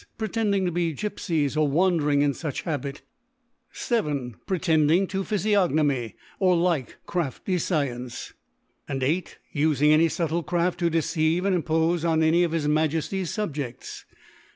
Pretending to be Gyp fies, or wandering in fuch Habit. 7. Pre ' tending to Phyfiognomy, or Kke crafty Sci ence, (^c. 8. Ufing any fubtle Craft to deceive and impofe on any of his M^efty^s Subjeds.